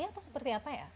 atau seperti apa ya